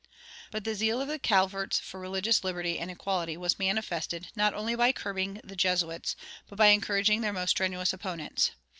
"[59:1] But the zeal of the Calverts for religious liberty and equality was manifested not only by curbing the Jesuits, but by encouraging their most strenuous opponents.